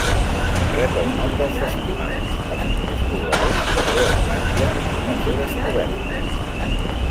Rep el nom dels esquimals, els primers pobladors de Groenlàndia, on va ser descoberta.